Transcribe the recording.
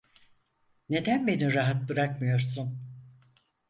Neden beni rahat bırakmıyorsun?